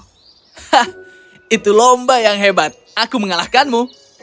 hah itu lomba yang hebat aku mengalahkanmu